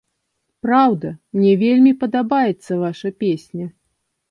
Праўда, мне вельмі падабаецца ваша песня.